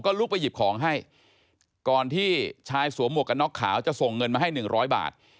ลุกไปหยิบของให้ก่อนที่ชายสวมหมวกกันน็อกขาวจะส่งเงินมาให้หนึ่งร้อยบาท